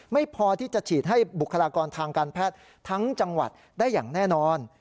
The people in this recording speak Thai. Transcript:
ไม่พอที่จะฉีดให้บุคลากรทางการแพทย์ทั้งจังหวัดได้อย่างแน่นอน